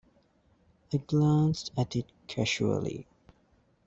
I glanced at it casually.